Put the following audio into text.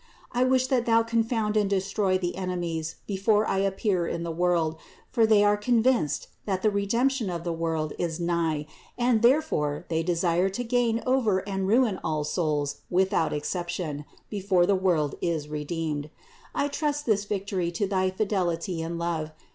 I wish that thou confound and destroy the enemies before I appear in the world ; for they are con vinced that the Redemption of the world is nigh and therefore they desire to gain over and ruin all souls without exception, before the world is redeemed. I trust this victory to thy fidelity and love.